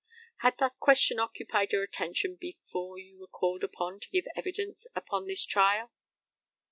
Had that question occupied your attention before you were called upon to give evidence upon this trial?